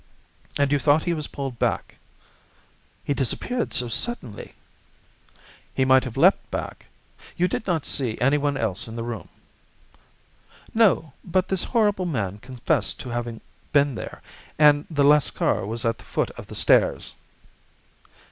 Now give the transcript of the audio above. "And you thought he was pulled back?" "He disappeared so suddenly." "He might have leaped back. You did not see anyone else in the room?" "No, but this horrible man confessed to having been there, and the Lascar was at the foot of the stairs."